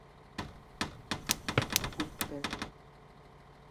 Shang-Chi and the legend of the ten rings চলচ্চিত্রের কাহিনী পরবর্তীকালে সংঘটিত হয়েছে।